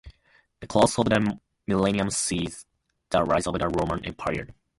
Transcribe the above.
The close of the millennium sees the rise of the Roman Empire.